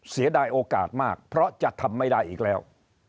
เสียดายโอกาสมากเพราะจะทำไม่ได้อีกแล้ว